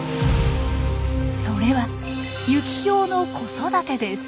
それはユキヒョウの子育てです。